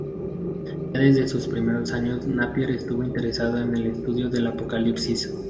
Ya desde sus primeros años Napier estuvo interesado en el estudio del Apocalipsis.